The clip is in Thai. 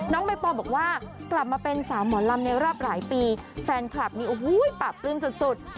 น้องใบปอลบอกว่ากลับมาเป็นสาวหมอลำในรอบหลายปีแฟนคลับนี้โอ้โหปราบปลื้มสุด